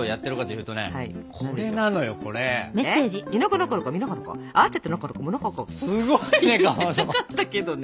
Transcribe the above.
言えなかったけどね。